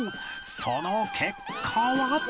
その結果は